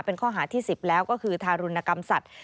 เป็นข้อหาที่๑๐แล้วก็คือทารุณกรรมสัตว